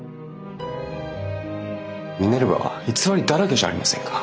ミネルヴァは偽りだらけじゃありませんか。